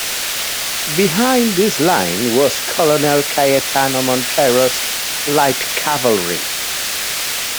Behind this line was Colonel Cayetano Montero's light cavalry.